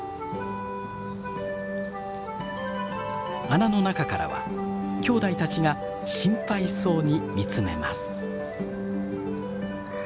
穴の中からはきょうだいたちが心配そうに見つめます。